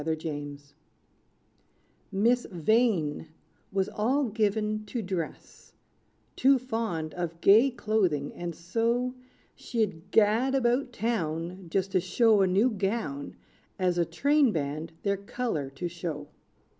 =Vivy Vain= Miss Vain was all given to dress Too fond of gay clothing; and so, She'd gad about town Just to show a new gown, As a train band their color to show.